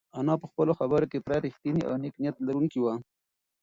انا په خپلو خبرو کې پوره رښتینې او نېک نیت لرونکې وه.